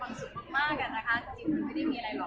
เวลาแรกพี่เห็นแวว